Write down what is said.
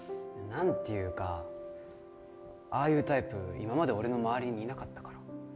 なんていうかああいうタイプ今まで俺の周りにいなかったから。